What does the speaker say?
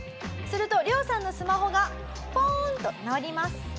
するとリョウさんのスマホがポーンと鳴ります。